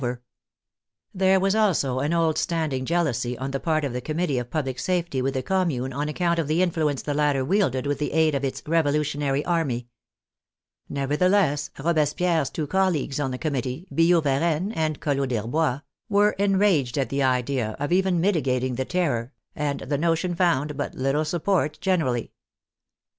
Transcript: So JACQUES RENE HEBERT THE FALL OF THE HEBERTISTS 8i There was also an old standing jealousy on the part of the Committee of Public Safety with the Commune on ac count of the influence the latter wielded with the aid of its " revolutionary army." Nevertheless, Robespierre's two colleagues on the committee, Billaud Varennes and Collot D'Herbois, were enraged at the idea of even mit igating the " Terror," and the notion found but little sup port generally.